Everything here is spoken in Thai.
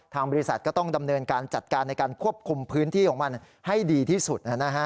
บริษัทก็ต้องดำเนินการจัดการในการควบคุมพื้นที่ของมันให้ดีที่สุด